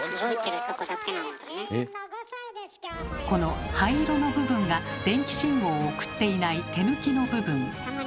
この灰色の部分が電気信号を送っていない手抜きの部分。